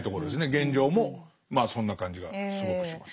現状もまあそんな感じがすごくします。